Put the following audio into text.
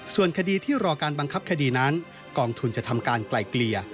ส่วนคดีที่รอการบังคับคดีนั้นกองทุนจะทำการไกลเกลี่ย